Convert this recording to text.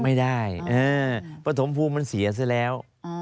ไม่ได้ปฐมภูมิมันเสียซะแล้ว